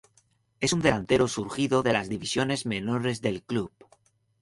Es un delantero surgido de las divisiones menores del Club.